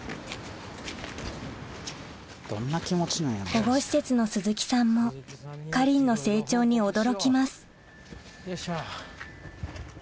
保護施設の鈴木さんもかりんの成長に驚きますよいしょ。